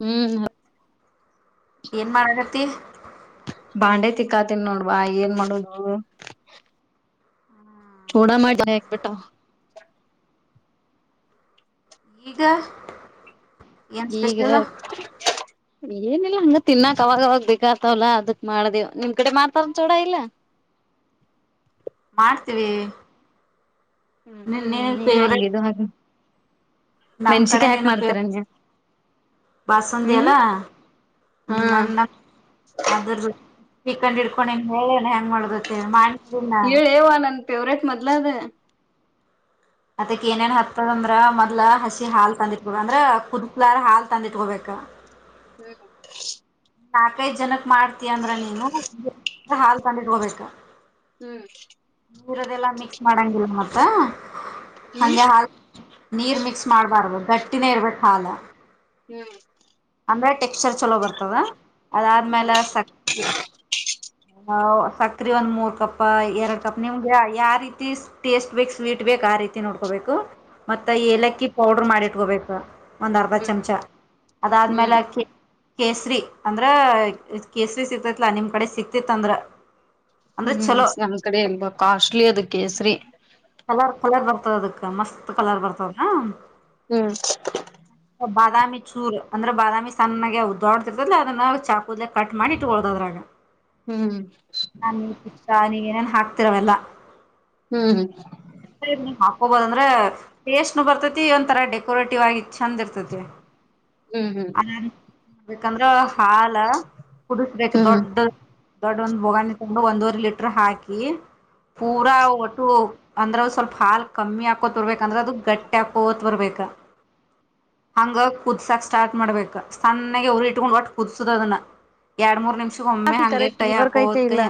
ಹ್ಮ್ ಮ ಏನ್ ಮಾಡಕತಿ. ಬಾಂಡೆ ತಿಕ್ಕಾತಿನ್ ನೋಡವಾ ಏನ್ ಮಾಡುದು. ಒಡ ಮಾಡ [inaudible] ಈಗ. ಏನ್ ಈಗ್ ಸ್ಪೆಷಲ್ ಹೇಳ್. ಏನಿಲ್ಲಾ ಹಂಗ ತಿನ್ನಾಕ್ ಅವಾಗ ಅವಾಗ ಬೇಕಾತವಲ್ಲ ಅದಕ್ ಮಾಡ್ದೇವ್ ನಿಮ್ ಕಡೆ ಮಾಡ್ತಾರ ಚೋಡ ಇಲ್ಲ. ಮಾಡ್ತೀವಿ. ಹ್ಮ್ ನಿನ್ ಹ್ಮ್ ನಿನ್ ನೀವ್ ಹೆಂಗಿದು ಹಾಗ ನಮ ಕಡೆ ಮೆಣ್ಸಿಕಾಯಿ ಹಾಕ್ ನೇನಪ್ ಮಾಡ್ತೀರ [unintelligible] ನೀವ್ ಬಾಸುಂಡಿ ಹ್ಮ್ ಎಲ್ಲ ಹಾ ನನ್ನ ಅದರ್ದು. ಈ ಕಂಡ್ ಇಡ್ಕೊಂಡಿನ್ ಹೇಳೇಣ ಹೆಂಗ್ ಮಾಡುದ್ ಅಂತ್ ಹೇಳಿ ಮಾಡ್ ಹೇಳೇ ಅವ್ವ ನನ್ ಫೇವ್ರೇಟ್ ಮೊದ್ಲ ಅದ. ಅದಕ್ ಏನೇನ್ ಹಾಕ್ತಾರಂದ್ರ ಮೊದ್ಲ ಹಸಿ ಹಾಲ್ ತಂದಿಟ್ಬೇಕ್ ಅಂದ್ರ ಕುದ್ಲಾರ್ ಹಾಲ್ ತಂದ್ ಇಟ್ಕೋಬೇಕ್. [inaudible] ಹ್ಮ್ ಹ್ಮ್. ನಾಕೈದ ಜನಕ್ ಮಾಡ್ತಯ ಅಂದ್ರ ನೀನು [unintelligible] ಹಾಲ್ ತಂದಿಟ್ಕೋಬೇಕು. ಹ್ಮ್. ಇರದೆಲ್ಲ ಮಿಕ್ಸ್ ಮಾಡಂಗಿಲ್ಲ ಮತ್ತ ಹಂಗೆ ಹಾಲ್ ನೀರ್ ಮಿಕ್ಸ್ ಮಾಡಬಾರ್ದು ಗಟ್ಟಿನೇ ಇರ್ಬೇಕು ಹಾಲ. ಹ್ಮ್ ಅಂದ್ರೆ ಟೆಕ್ಸ್ಚರ್ ಚಲೋ ಬರ್ತದ ಹ್ಮ್ ಹ್ಮ್ ಅದಾದ್ಮೇಲೆ ಸ ಆ ಸಕ್ರಿ ಒಂದ್ ಮೂರ್ ಕಪ್ಪ ಎರಡ್ ಕಪ್ ನಿಮ್ಗೆ ಆತ ಯಾವ ರೀತಿ ಟೇಸ್ಟ್ ಬೇಕ್ ಸ್ವೀಟ್ ಬೇಕ್ ಆ ರೀತಿ ನೋಡ್ಕೋಬೇಕು ಮತ್ತ ಏಲಕ್ಕಿ ಪೌಡರ್ ಮಾಡಿ ಇಟ್ಕೋಬೇ ಬೇಕ್ ಒಂದ್ ಅರ್ಧ ಹ್ಮ್ ಚಮಚ ಅದಾದ್ಮೇಲೆ ಹ್ಮ್ ಅಕ್ಕಿ ಕೇಸರಿ ಅಂದ್ರೆ ಕೇಸರಿ ಸಿಗ್ತತ್ಲ ನಿಮ್ಮ ಕಡೆ ಸಿಗ್ತಿತ್ತಂದ್ರ. ಹ್ಮ್ ನಮ ಕಡೆ ಎಲ್ ಕಾಸ್ಟ್ಲಿ ಅದ ಕೇಸರಿ. ಕಲರ್ ಕಲರ್ ಬರ್ತದ ಅದಕ್ಕೆ ಮಸ್ತ್ ಕಲರ್ ಬರ್ತದಲಾ. ಹ್ಮ್ ಬಾದಾಮಿ ಚೂರು ಅಂದ್ರೆ ಬಾದಾಮಿ ಸಣ್ಣಗೆ ದೊಡ್ಡದ್ ಇರ್ತೈತ್ಲ ಅದನ್ನ ಚಾಕೂದಲೆೇ ಕಟ್ ಮಾಡಿ ಇಟ್ಟಕೊಳ್ಳುದ್ ಅದರಾಗ. ಹ್ಮ್ [inaudible] ಪಿಸ್ತಾ ನೀವೇನೇನ್ ಹಾಕ್ತೀರಿ ಅವೆಲ್ಲಾ. ಹ್ಮ್. [unintelligible] ನೀವ್ ಹಾಕೋಬಹುದಂದ್ರೆ ಟೇಸ್ಟ್ ನು ಬರ್ತೈತಿ ಒಂತರಾ ಡೆಕೋರೇಟಿವ್ ಆಗಿ ಚಂದ್ ಇರ್ತೈತೆ ಹ್ಮ್ ಹ್ಮ್ [inaudible] ಮಾಡಬೇಕಂದ್ರ ಹಾಲ ಕುದಿಸಬೇಕ್ ಹ್ಮ್ ದೊಡ್ಡ ದೊಡ್ ಒಂದು ಬೋಗಣಿ ತಗೊಂಡು ಒಂದೂವರೆ ಲೀಟರ್ ಹಾಕಿ ಪೂರಾ ಒಟ್ಟು ಅಂದ್ರೆ ಸ್ವಲ್ಪ ಹಾಲ್ ಕಮ್ಮಿ ಹಾಕೋತ ಬರ್ಬೇಕಂದ್ರೆ ಅದು ಗಟ್ಟಿ ಹಾಕೋತ್ ಬರ್ಬೇಕ. ಹಂಗ ಕುದ್ಸಾಕ್ ಸ್ಟಾರ್ಟ್ ಮಾಡ್ಬೇಕಕ್ ಸಣ್ಣಾಗ ಹುರಿ ಇಟ್ಕೊಂಡ್ ಒಟ್ಟ ಕುದಸುದ ಅದನ್ನ ಎರಡ್ ಮೂರ್ ನಿಮಿಷ ಒಮ್ಮೆ ಹಂಗೆ ಕರೆಕ್ಟ್ ಕೈ ಹಾಕೋದ ಬರಕೈತೆ ಕೈ ಇಲ್ಲ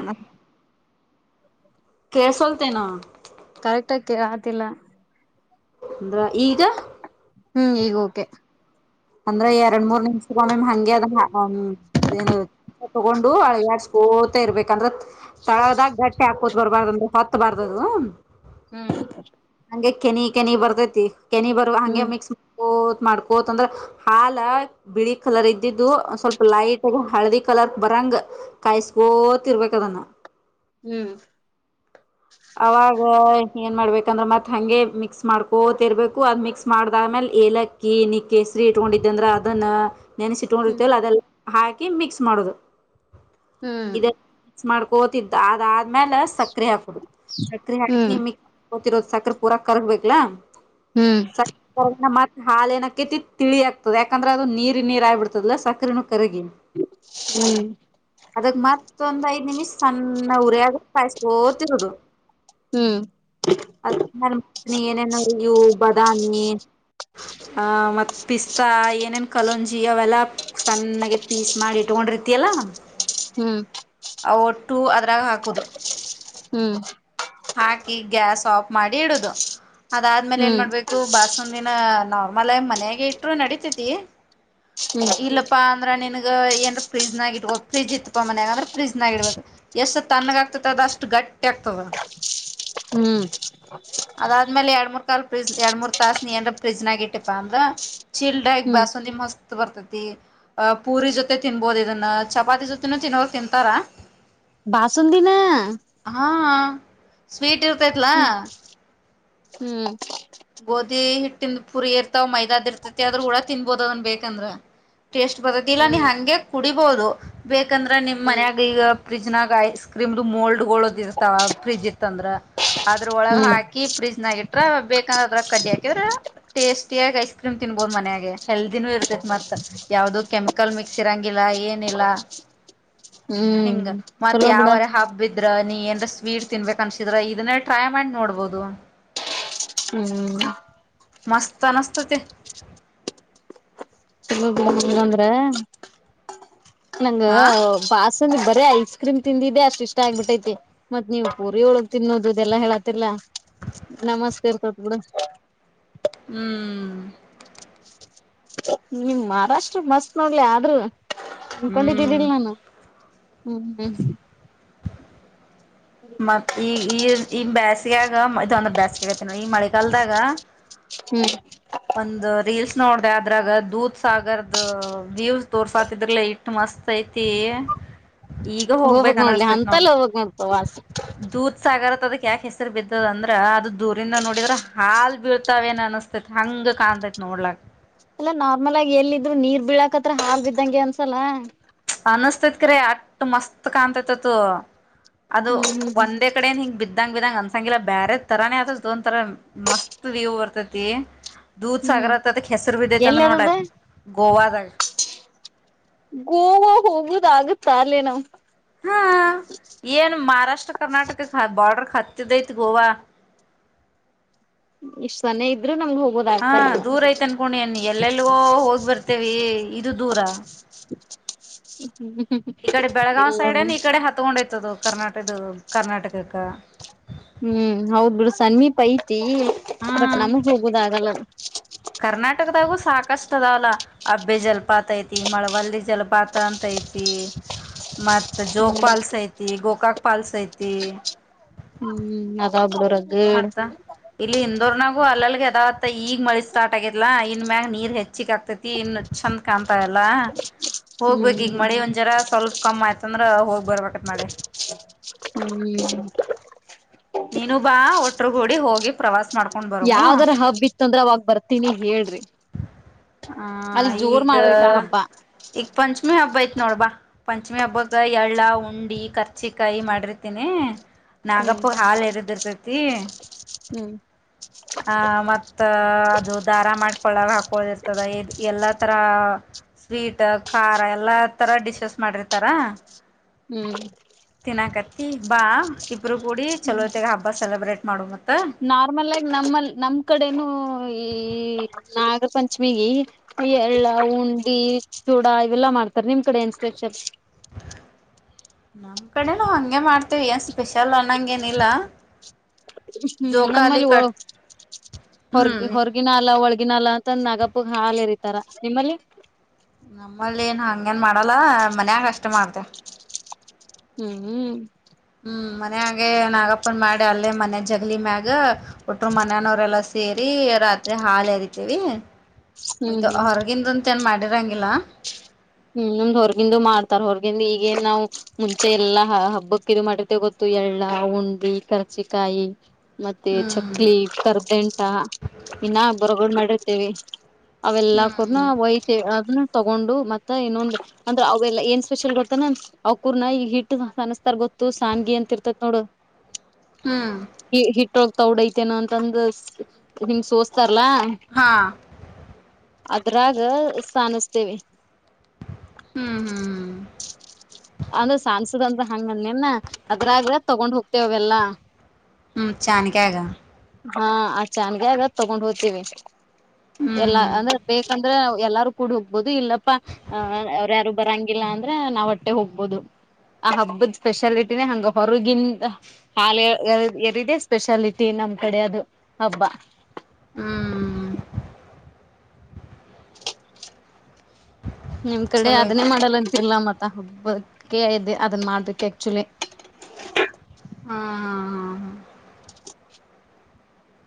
ಕೇಳುಸ್ವಂತೇನೋ ಕರೆಕ್ಟ್ ಆ ಆತಿಲ್ಲ ಅಂದ್ರ ಈಗ ಹ್ಮ್ ಈಗ ಓಕೆ ಅಂದ್ರೆ ಎರಡ್ ಮೂರ್ ನಿಮ್ಷದ ಮೇಮ್ ಹಂಗೆ ಅದನ್ನ ಏನು ತಗೊಂಡು ಅಳಗಡ್ಸ್ಕ ತ ಇರ್ಬೇಕಂದ್ರೆ ತಳದಾಗ ಗಟ್ಟಿ ಹಾಕೋತ್ ಬರ್ಬಾರ್ದ ಅಂದ್ರೆ ಹೊತ್ತಬಾರ್ದದು ಹ್ಮ ಹಂಗೆ ಕೆನಿ ಕೆನಿ ಬರ್ತೈತಿ ಕೆನಿ ಬರುವ ಹಂಗೆ ಹ್ಮ್ ಮಿಕ್ಸ್ ಮಾಡ್ಕೋ ಮಾಡ್ಕೋತ್ ಅಂದ್ರ ಹಾಲ ಬಿಳಿ ಕಲರ್ ಇದ್ದಿದ್ದು ಸ್ವಲ್ಪ ಲೈಟ್ಗ ಹಳದಿ ಕಲರ್ ಬರಂಗ ಕಾಯಸ್ ತಿರುವಕ್ಕದನ್ನ ಹ್ಮ್ ಅವಾಗ ಏನ್ ಮಾಡ್ಬೇಕಂದ್ರ ಮತ್ ಹಂಗೆ ಮಿಕ್ಸ್ ಮಾಡ್ಕೋತಿರ್ಬೇಕು ಅದ್ ಮಿಕ್ಸ್ ಮಾಡ್ದಾದ್ಮೇಲೆ ಏಲಕ್ಕಿ ನಿ ಕಸರಿ ಇಟ್ಕೊಂಡಿದ್ದ ಅಂದ್ರ ಅದನ್ನ ಹ್ಮ್ ನೆನಸಿಟ್ಕೊಂಡಿರ್ತೀವ ಅದೆಲ್ಲ ಹಾಕಿ ಮಿಕ್ಸ್ ಮಾಡೋದು ಹ್ಮ್ ಇದ ಮಾಡ್ಕೋತಿದ್ದ ಅದಾದ್ಮೇಲ ಸಕ್ರೆ ಹಾಕುದ ಸಕ್ರೆ ಹಾಕಿ ಹ್ಮ್ ಮಿಕ್ ಗೊತಿರೋದು ಸಕರೆೆ ಪೂರಾ ಕರ್ಗ್ಬೇಕಲಾ ಹ್ಮ್ ಸರೆ ಕರ್ಗನ ಮಾತ್ರ ಹಾಲಏನಕೇತಿ ತಿಳಿ ಆಗ್ತದೆ ಯಾಕಂದ್ರೆ ಅದು ನೀರಿ ನೀರು ಆಗ್ಬಿಡ್ತದಲ್ಲ ಸಕ್ರ ಕರುಗ ಹ್ಮ್ ಅದಕ್ಕೆ ಮಾತ್ ಮೊಂದ್ ಐ ನಿಮಿಷ ಸಣ್ಣ ಉರಿಯಾಗ ಕಾಯಸ್ಕೋತಿರದು ಹ್ಮ್ ಹ್ಮ್ ಅದ್ತನಿ ಏನೇನು ಅಯ್ಯವು ಬದಾಮಿ ಅಹ ಮತ್ತ್ ಪಿಸ್ತಾ ಏನೇನ್ ಕಲೋಂಜಿ ಅವೆಲ್ಲಾ ಸಣ್ಣಾಗ ಪೀಸ್ ಮಾಡಿಟ್ಟು ಪ್ ರೀತಿಯಲ್ಲಾ ಹ್ಮ್ ಆ ಒಟ್ಟು ಅದ್ರಾಗ ಹಾಕುದು ಹಾಕಿ ಗ್ಯಾಸ್ ಆಫ್ ಮಾಡಿ ಇಡುದು ಅದಾದ್ಮೇಲೆ ಏನ್ ಹ್ಮ್ ಮಾಡ್ಬೇಕು ಬಾಸುಂದಿನ ನಾರ್ಮಲ್ ಮನ್ಯಾಗ ಇಟ್ಟರು ನಡತತಿ ಹ್ಮ್ ಇಲ್ಲಪ್ಪಾ ಅಂದ್ರೆ ನಿನಗೆ ಏನ್ ಫ್ರಿಜ್ನಾಗ ಇಬೋ ಫ್ರಿಜ್ ಇತ್ತಪ್ಪ ಮನ್ಯಾಗ ಅಂದ್ರೆಫ್ರಿಜ್ನ ಆ ಇಡಬೇಕುಷ್ಟು ತನ್ಗ ಆಗ್ತ ಅದ ಅಷ್ಟು ಗಟ್ಟಿ ಆ ಹತ್ತವಾ ಹ್ಮ್ ಲ್ ಫ್ರಿಜ್ ಎರಡ್ ಮೂರ್ ತಾಸನಏನ ಫ್ರಿಜ್ನಾಗ ಇಟ್ಟಪ್ಪ ಅಂದ್ರ ಚಿಲ್ಡ್ಗ್ ಹ್ಮ್ ಬಾಸುಂದಿ ಮಸ್ತ್ ಬರ್ತತಿ ಅಹ ಪೂರಿ ಜೊತೆ ತಿನ್ಬೋದು ಇದನ್ನ ಚಪಾತಿ ಜೊತೆನ ತಿನ್ನವಾಗ ತಿಂತಾರಾ ಬಾಸಂದಿನ ಹಾ ಸ್ವೀಟ್ ಇರ್ತೈತ್ಲಾ ಹ್ಮ್ ಹ್ಮ್ ಗೋಧಿ ಹಿಟ್ಟಿಂದ ಪುರಿ ಇರ್ತಾವ ಮೈದಾದ್ ಇರ್ತತಿ ಆದದ್ರೂ ಕೂಡ ತಿನ್ಬೋದ ಅದನ್ ಬೇಕಂದ್ರ ಟೇಸ್ಟ್ ಬರ್ತಿ ಇಲ್ಲ ನೀ ಹ್ಮ್ ಹಗೆ ಕುಡಿಬಹುದು ಬೇಕಂದ್ರೆ ನಿಮ್ ಹ್ಮ್ ಮನ್ಯಾಗ ಈಗ ಫಿಜ್ನಾಗ ಐಸ್ ಕ್ರೀಮ್ದು ಮೋಲ್ಡ್ ಹಗಳದ ಇರ್ತಾವ ಫ್ರಿಜ್ ಇತ್ತ ಅಂದ್ರ ಅದ್ರೊಳಗ್ ಹ್ಮ್ ಹಾಕಿ ಫ್ರಿಜ್ ನಾಗ ಇಟ್ರ ಬೇಕ ಯಾ್ರದ್ರ ಕಡ್ಡಿಕಿದ್ರೆಟೇಸ್ಟಿಯಾಗಿ ಐಸ್ ಕ್ರೀಮ್ ತಿನ್ಬಹದು ಮನ್ಯೆ ಹೆಲ್ದಿನೂ ಇರ್ತೈ ಮತ್ತತ್ ಯಾವವುದೋ ಕೆಮಿಕಲ್ ಮಿಕ್ಸ್ ಇರಂಗಿಲ್ಲ ಏ ಹ ಹಿಂಗ ಮತ್ ಯಾವರ ಹಬ್ಬಿದ್ರ ನೀ ಏನ್ ಸ್ವೀಟ್ ತಿನ್ಬೇಕ ಅನ್ಸಿದ್ರ ಇದನ್ನೇ ಟ್ರೈ ಮಾಡಿ ನೋಡ್ಬೋದು ಹ್ಮ್ ಮಸ್ತ ನಸ್ತ ತ ತುಂಬಾ ಅಂದ್ರೆ ನಂಗ ಹಾ ಬ ಸ ನೀ ಬರೀ ಐಸ್ ಕ್ರೀಮ್ ತಿಂದಿದ್ದೆ ಅಷ್ಟ ಇಷ್ಟ ಆಗ್ಬಿಟ್ಟೈತಿ ಮತ್ ನೀವು ಪೂರಿ ಒಳಗ್ ತಿನ್ನೋದು ಇದೆಲ್ಲ ಹೇಳತಿಲ್ಲಾ ನಮಸ್ಕಾರರ್ತತ್ ಕೂಡ ಹ್ಮ್ ನಿಮ್ ಮಹಾರಾಷ್ಟ್ರ ಮಸ್ತ್ ನೋಡ್ಲಿ ಆದ್ರೂ ಹ್ಮ್ ಅನ್ಕೊಂಡಿದ್ದಿದ್ದಿಲ್ಲ ನಾನು ಹ್ಮ್ ಹ್ಮ್ ಮತ್ ಈ ಈ ಈ ಬೇಸ್ಗಯಾಗ ಮ ಇದೊಂದ ಬೇಸ್ಗೆ ಆಗತಿ ನ ಈ ಮಳೆಗಾಲದಾಗ ಹ್ಮ್ ಒಂದು ರೀಲ್ಸ್ ನೋಡ್ದ ಅದ್ರಾಗ ದೂತ್ ಸಾಗರ್ದ ವ್ಯವ್ ತೋರ್ಸಾತ ಇದ್ರಲ್ಲ ಇಟ್ ಮಸ್ತ್ ಐತಿ ಈಗ ಹೋಗ್ಬೇಕ ಹೋಗ್ಬಕ್ ನೋಡ್ಲಿ ಅನಸ್ತೇತ್ ನೋ ಅಂತಲ್ಲ ಹೋಗ್ಬಕ್ ನೋಡ್ ಪ್ರವಾಸ ದೂದ ಸಾಗರ ಯಾಕೆ ಹೆಸರು ಬಿದ್ದದ ಅಂದ್ರೆ ಅದು ದೂರಿಂದ ನೋಡಿದ್ರೆ ಹಾಲ್ ಬೀಳ್ತಾವೇನ ಅನಿಸತೇತ್ ಹಂಗ ಕಾಣ ನೋಡ್ಲ ಎಲ್ಲಾ ನಾರ್ಮಲ್ ಆಗಿ ಎಲ್ಲ ಇದ್ರು ನೀರ್ ಬೀಳಕತ್ರ ಹಾಲ್ ಬಿದ್ದಂಗೆ ಅನ್ಸಲ್ಲ ಅನಸ್ತೈತ್ ಕ್ರ ಅಟ್ ಮಸ್ತ್ ಕಾಣ್ತತ್ತ್ ಅದು ಹ್ಮ್ ಹ್ಮ್ ಹ್ಮ್ ಒಂದೇ ಕಡೆನ್ ಹಿಂಗಗೆ ಬಿದ್ದಂಗ ಬಿದ್ದಂಗ ಅಂತ ಸಂಗಿಲ್ಲ ಬ್ಯರೆ ತರಾನೆ ಆತಲ್ಲ ದೊನ್ ತರ ಮಸ್ತ್ ವ್ಯೂ ಬರ್ತತಿ ದೂದ್ ಹ್ಮ್ ಸಾಗರತತ್ ಅದಕ್ ಹೆಸರು ಬಿದೆೈತೆ ಅಂದ್ರೆ ನೋಡ್ಲ ಎಲ್ಲದದ ಗೋವಾದಾಗ ಗೋವಾ ಹೋಗುದ ಆಗುತ್ತ ಅಲ್ಲೇ ನಾವ್ ಹಾ ಏನ್ ಮಹಾರಾಷ್ಟ್ರ ರಾಷ್ಟ್ರ ಕರ್ನಾಟಕ ಬಾರ್ರ್ಡಕ್ ಹತ್ತದಐತ್ ಗೋವಾ ಇಷ್ಟ್ ಚನ ಇದ್ರು ನಮ್ಗ್ ಹೋಗೋದ ಹಾ ಆಗ್ತಾ ಇಲ್ಲ ದೂರಯ್ತಿ ಅನ್ಕೋಂಡಿ ಎನ್ ಎಲ್ಲೆಲ್ಗೋ ಹೋಗ್ ಬರ್ತೇವಿ ಇದು ದೂರ ಹ ಈ ಕಡೆ ಬೆಳಗಾವ್ ಸೈಡ್ ಏನ್ ಈ ಕಡೆ ಹತ್ಗೊಂಡೈತ್ ಅದು ಕರ್ನಾಟದ ಕರ್ನಾಟಕಕ್ಕ ಹ್ಮ್ ಹೌದ್ ಬಿಡು ಸಮೀಪ ಐತಿ ಬಟ್ ಹ್ಮ್ ನಮಗ್ ಹೋಗುದ ಆಗಲ್ಲ ಇತದಲ್ಲ ಹಬ್ಬೆ ಜಲಪಾತ ಐತಿ ಮಳವಲ್ಲಿ ಜಲಪಾತ ಅಂತ ಐತಿ ಮತ್ತು ಜೋಗ ಹ್ಮ್ ಪಾಲ್ಸ್ ಐತಿ ಗೋಕಾಕ್ ಪಾಲ್ಸ್ ಐತಿ ಹ್ಮ್ ಅದಾವ ಬಿಡು ರಗಡ್ ಮತ್ತ ಇಲ್ಲಿ ಇಂದೋರ್ನಾಗು ಅಲ್ಲಲ್ಗೆ ಅದಾವತ್ತ ಈಗ ಮಳಿ ಸ್ಟಾರ್ಟ್ ಆಗೈತ್ಲಾ ಇ ಇನ್ ಮ್ಯಾಗ ನೀರ್ ಹೆಚ್ಚಿ ಗ್ ಆಗ್ತೈತಿ ಇನ್ನು ಚಂದ ಕಾಣ್ತವ ಎಲ್ಲ ಹೋಗ್ಬೇಕೇ ಈಗ ಹ್ಮ್ ಮಳೆ ಒಂದ್ ಜರ ಸ್ವಲ್ಪ ಕಮ್ ಆಯ್ತಂದ್ರ ಹೋಗ್ ಬರ್ಬೇಕತ್ ಮಾಡೇವ್ ಹ್ಮ್ ನೀನು ಬಾ ಒಟ್ರುಗೂಡಿ ಹೋಗಿ ಪ್ರವಾಸ ಮಾಡ್ಕೊಂಡ್ ಬರೂಮು ತುಂದ್ರಬಾಗ್ ಬರ್ತೀನಿ ಹೇಳ್ರಿ ಹ ಅಲ್ಲಿ ಜೋರ್ ಈಗ ಮಾಡ್ಬೇಕ ಹಬ್ಬ ಈಗ ಪಂಚಮಿ ಹಬ್ಬ ಐತ್ ನೋಡ್ಬಾ ಪಂಚಮಿ ಹಬ್ಬಕ್ಕ ಎಳ್ಳ ಉಂಡಿ ಕರ್ಚಿಕಾಯಿ ಮಾಡಿರ್ತೀನಿ ಹ್ಮ್ ನಾಗಪ್ಪಗ್ ಹಾಲ್ ಎರಿದ್ ಇರತೈತಿ ಹ್ಮ್ ಹ ಮತ್ತ ಅದು ದಾರ ಮಾಡ್ ಕೊಳ್ಳಗ ಹಾಕೊಳಿರ್ತದ ಎಲ್ಲಾ ತರ ಸ್ವೀಟ್ ಖಾರ ಎಲ್ಲಾ ತರ ಡಿಶಸ್ ಮಾಡಿರ್ತಾರಾ ಹ್ಮ್ ತಿನ ಕತ್ತಿ ಬಾ ಇಬ್ರು ಕೂಡಿ ಚಲೋತೆಗ ಹಬ್ಬ ಸೆಲೆಬ್ರೇಟ್ ಮಾಡುಮ ನಾರ್ಮಲ್ ಆಗಿ ನಮ್ಮಲ್ ನಮ್ ಕಡೆನು ಈ ನಾಗ ಪಂಚಮಿಗಿ ಎಳ್ಳ ಉಂಡಿ ಚೂಡ ಇವೆಲ್ಲಾ ಮಾಡ್ತಾರೆ ನಿಮ್ ಕಡೆ ಎನ್ ಸ್ಪೆಷಲ್ ನಮ್ ಕಡೆನ ಹಂಗೆ ಮಾಡ್ತೀವಿ ಸ್ಪೆಷಲ್ ಅನ್ನಂಗ ಏನ್ ಇಲ್ಲ ಹ್ಮ್ ನಮ್ಮಲ್ಲಿ ಹೊರಗ ಹ್ಮ್ ಹೊರಗಿನ ಅಲ್ಲ ಒಳಗ [unintelligible] ಆಗಿನಲ್ಲ ತಂದ್ ನಾಗಪ್ಪಗ್ ಹಾಲ ಎರಿತಾರ ನಿಮ್ಮಲ್ಲಿ ನಮ್ಮಲ್ಲಿ ಏನ್ ಹಂಗೇನ್ ಮಾಡಲ್ಲ ಮನ್ಯಾಗ ಅಷ್ಟ ಮಾಡ್ತೆವ್ ಹ್ಮ್ ಹ್ಮ್ ಮನ್ಯಾಗೆ ನಾಗಪ್ಪನ್ ಮಾಡಿ ಅಲ್ಲೇ ಮನೆ ಜಗ್ಲಿ ಮ್ಯಾಗ ಹೊಟ್ರು ಮಾನ್ಯನವರೆಲ್ಲ ಸೇರಿ ಸೇರಿ ರಾತ್ರಿ ಹಾಲ ಹೆರಿತೇವಿ ಹ್ಮ್ ಮುಗಿತು ಹ್ಮ್ ಹೊರಗಿಂದಂತ ಏನ್ ಮಾಡ ಮಾಡಿಡಂಗಿಲ್ಲ ಹ್ಮ್ ನಮ್ದ್ ಹೊರ್ಗಿಂದು ಮಾಡ್ತಾರ್ ಹೊರ್ಗಿಂದು ಈಗೇ ನಾವ್ ಮುಂಚೆ ಎಲ್ಲಾ ಹಬ್ಬಕ್ ಇದು ಮಾಡಿರ್ತೆವ್ ಗೊತ್ತು ಎಳ್ಳ ಉಂಡಿ ಕರ್ಜಿಕಾಯಿ ಮತ್ತೆ ಹ್ಮ್ ಚಕ್ಲಿ ಕರ್ದೆಂಟ ಇನ್ನ ಬರಗೋಡ್ ಮಾಡಿರ್ತೇವೆ ಅವೆಲ್ಲಾ ಕೂರ್ನ ಹ್ಮ್ ವೈಟೆ ಅದನ್ನ ತಗೊಂಡು ಮತ್ತ್ ತ್ತ್ ಇನ್ನೊಂದ ಅಂದ್ರೆ ಅವೆಲ್ಲ ಏನ್ ಸ್ಪೆಷಲ್ ಗೊತ್ತನ ಅವಕೂರ್ ನ ಈ ಹಿಟ್ ಅನುಸ್ತಾರ ಗೊತ್ತು ಸಾಂಗಿ ಅಂತ ರ್ತಿತ್ ನೋಡು ಹ ಟ್ಟೋಗ ತೊಡೈತೆೇನ ಅಂತಂದು ಹಿಂಗ್ ಸೋಸ್ತಾರಲ್ಲ ಹಾ ಅದ್ರಾಗ ಸಾನಿಸತ್ತೀವಿ ಹ್ಮ್ ಹ್ಮ್ ಹ್ಮ್ ಅದು ಸನ್ಸದಂತ ಹಂಗಂದ ನೆನ್ ಅದ್ರಾಗ ತಗೊಂಡ್ ಹೋಗ್ತೀತ್ವಿ ಅವೆಲ್ಲಾ ಹ್ಮ್ ಚಾನಿಕ್ಯಾಗ ಹಾ ಆ ಚಾನಕ್ಯಾಗ ತಗೊಂಡ್ ಹೋಗ್ತೀವಿ ಹ್ಮ್ ಎಲ್ಲಾ ಹ್ಮ್ ಅಂದ್ರೆ ಬೇಕು ಅಂದ್ರೆ ಎಲ್ಲಾರು ಕೂಡ ಹೋಗ್ಬೋದು ಇಲ್ಲಪ್ಪಾ ಅ ಅವ್ರ ಯಾರು ಬರಂಗಿಲ್ಲ ಅಂದ್ರೆ ನಾವಟ್ಟೆ ಹೋಗ್ಬೋದು. ಆ ಹಬ್ಬದ ಸ್ಪೆಷಾಲಿಟಿನೇ ಹಂಗ ಹೊರಗಿಂದ ಹಾಲೆ ಎರ್ ಎರಡೇ ಸ್ಪೆಷಾಲಿಟಿ ನಮ್ ಕಡೆ ಅದು ಹಬ್ಬ ಹ್ಮ್ ನಿಮ್ ಕಡೆ ಚಲೋ ಅದನ್ನೇ ಐತಿ ಮಾಡಲ್ಲಂತಿಯಲ್ಲ ಮತ್ತೆ ಹಬ್ಬಕ್ಕೆ ಇದೆ ಅದನ್ನ ಮಾಡಬೇಕ್ ಆಕ್ಚುಲಿ ಹಾ ಹಾ [unintelligible]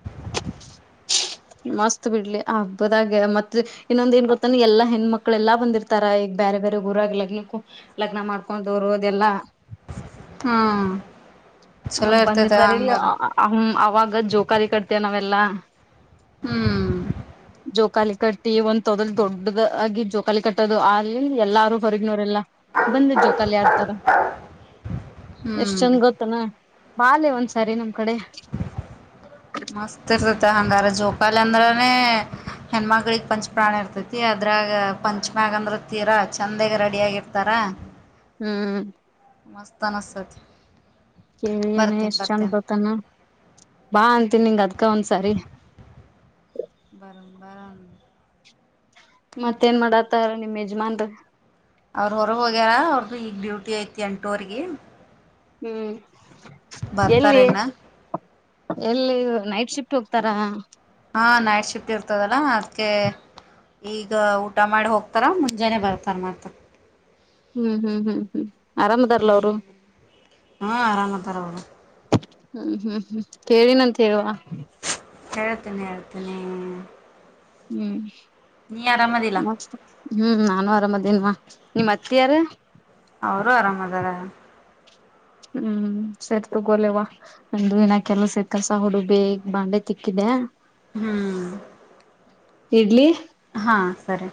[unintelligible] ಮಸ್ತ್ ಬಿಡ್ಲೆ ಆ ಹಬ್ಬದಾಗ ಮತ್ತ್ ಇನ್ನೊಂದು ಏನ್ ಗೊತ್ತಾನೊ ಎಲ್ಲಾ ಹೆಣ್ಣ್ಮಕ್ಳ ಎಲ್ಲಾ ಬಂದಿರ್ತಾರ ಈಗ ಬೇರೆ ಬೇರೆ ಗುರಾಗಿ ಲಗ್ನ ಮಾಡ್ಕೊಂಡೊರು ಅದೆಲ್ಲಾ ಹಾ ಹ ಚಲೋ ಇರ್ತೈತೆ ಬಂದಿರ್ತಾರೆ ಇಲ್ಲಿ ಹಂಗಾರ ಅ ಅವಾಗ ಜೋಕಾಲಿ ಕಟ್ತೇ ನಾವೆಲ್ಲಾ ಹ್ಮ್ ಜೋಕಾಲಿ ಕಟ್ಟಿ ಒಂದ್ ತೊದಲ್ ದೊಡ್ಡದು ಆಗಿ ಜೋಕಾಲಿ ಕಟ್ಟದು ಅಲ್ಲಿ ಎಲ್ಲಾರು ಹೊರಗಿನೋರೆಲ್ಲ ಬಂದು ಜೋಕಲಿ ಆಡ್ತಾರ ಎಷ್ಟ್ ಚಂದ್ ಹ್ಮ್ ಗೊತ್ತೆನಾ ಬಾಲೆ ಒಂದ್ಸರಿ ನಮ್ದ್ ಮಸ್ತ್ ಇರುತ್ತ ಹಂಗಾರ ಜೋ ಪಲ್ ಅಂದ್ರನೇ ಹೆಣ್ಮಕ್ಕಳಿಗೆ ಪಂಚ ಪ್ರಾಣ ಇರ್ತೈತಿ ಅದ್ರಾಗ ಪಂಚಮ್ಯಗ ಅಂದ್ರೆ ತೀರ ಚಂದಾಗೆ ರೆಡಿ ಆಗಿರ್ತಾರಾ ಹ್ಮ್ ಮಸ್ತ್ ಅನ್ಸುತ್ತೈತಿ ಕೇಳಿನೆ ಎಷ್ಟ್ ಚಂದ್ ಗೊತಾನೊ ಬಾ ಅಂತಿನಿ ನಿಂಗ ಅದ್ಕ ಒಂದ್ಸಾರಿ [unintelligible] ಬರ ಬಾ ಮತ್ತೇನ್ ಮಾಡಾತರ ನಿಮ್ಮ್ ಯಜಮಾನ್ರು ಅವ್ರ ಹೊರ ಹೋಗ್ಯಾರ ಅವ್ರ್ದ ಈಗ್ ಡ್ಯೂಟಿ ಐತಿ ಎಂಟುವ್ರಗಿ ಹ್ಮ್ ಎಲ್ಲಿ ಎಲ್ಲಿ ನೈಟ್ ಶಿಫ್ಟ್ ತು ಹೋಗ್ತಾರಾ ಆ ನೈಟ್ ಶಿಫ್ಟ್ ಇರ್ತದೆನ ಅದ್ಕೆ ಈಗ ಊಟ ಮಾಡಿ ಹೋಗ್ತಾರ ಮುಂಜಾನೆ ಬರ್ತಾರ ಮತ್ತೆ ಹ್ಮ್ ಹ್ಮ್ ಹ್ಮ್ ಹ್ಮ್ ಆರಾಮದಾರ್ಲ ಹ್ಮ ಅವರು ಹಾ ಆರಾಮ್ ತರ ಅವರು ಹ್ಮ್ ಹ್ಮ್ ಹ್ಮ್ ಕೇಳಿನಂತ ಹೇಳ ಕೇಳ್ತೀನಿ ಹೇಳ್ತೀನಿ ಹ್ಮ್ ನೀ ಆರಾಮದಿಲ್ಲ ಮ ಹ್ಮ್ ನಾನು ಅರಾಮದ್ದೀನಿ ಇಲ್ವಾ ನಿಮ್ಮ್ ಅತ್ತೆ ಯಾರ್ ಅವರು ಆರಾಮ್ ಆದಾರ ಹ್ಮ್ ಸೇರ್ ತಗೋಳವ ಒಂದು ಕೆಲಸ ಸೇರ್ಕಲ್ಸ ಹುಡುಗಿ ಬಾಂಡೆ ತಿಕ್ಕಿದೆ ಹ್ಮ್ ಇಡ್ಲಿ ಹಾಂ ಸರಿ